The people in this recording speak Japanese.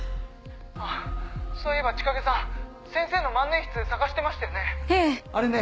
あっそういえば千景さん先生の万年筆探してましたよね。